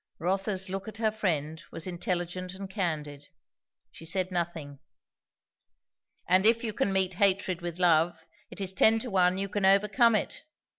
Rotha's look at her friend was intelligent and candid. She said nothing. "And if you can meet hatred with love, it is ten to one you can overcome it.